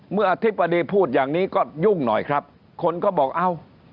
เมื่อที่ปราณีพูดอย่างนี้ก็ยุ่นหน่อยครับคนก็บอกเอา